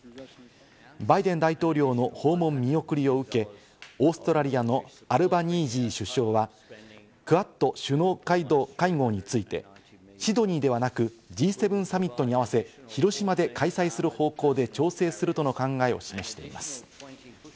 バイデン大統領の訪問見送りを受け、オーストラリアのアルバニージー首相はクアッド首脳会合についてシドニーではなくＧ７サミットに合わせ広島で開催する方向で調整するとの考えを示しています。